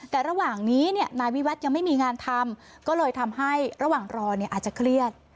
แต่ระหว่างนี้นายวิวัฒน์ยังไม่มีงานทำก็เลยทำให้ระหว่างรอเนี่ยอาจจะเครียด